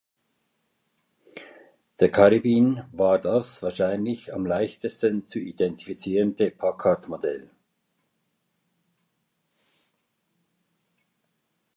Der Caribbean war das wahrscheinlich am leichtesten zu identifizierende Packard-Modell.